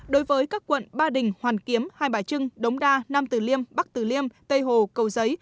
đối với các quận ba đình hoàn kiếm hai bài trưng đống đa nam tử liêm bắc tử liêm tây hồ cầu giấy